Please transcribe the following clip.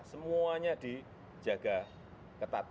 semuanya dijaga ketat